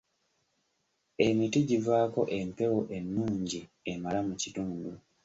Emiti givaako empewo ennungi emala mu kitundu.